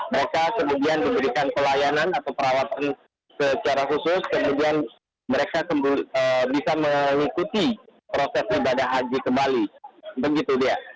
mereka kemudian diberikan pelayanan atau perawatan secara khusus kemudian mereka bisa mengikuti proses ibadah haji kembali begitu dia